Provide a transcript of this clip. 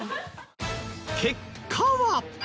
結果は。